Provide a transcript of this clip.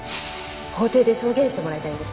法廷で証言してもらいたいんです